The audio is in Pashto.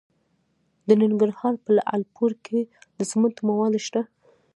د ننګرهار په لعل پورې کې د سمنټو مواد شته.